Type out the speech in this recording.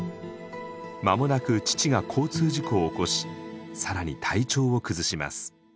間もなく父が交通事故を起こし更に体調を崩します。